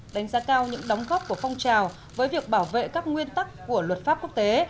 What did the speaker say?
đánh giá cao những đóng góp của phong trào với việc bảo vệ các nguyên tắc của luật pháp quốc tế